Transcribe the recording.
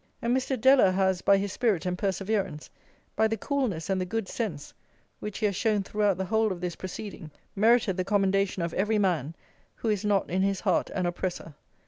And Mr. Deller has, by his spirit and perseverance, by the coolness and the good sense which he has shown throughout the whole of this proceeding, merited the commendation of every man who is not in his heart an oppressor.